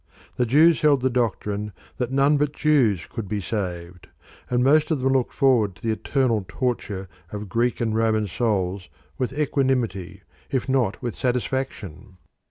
The Jews held the doctrine that none but Jews could be saved, and most of them looked forward to the eternal torture of Greek and Roman souls with equanimity, if not with satisfaction.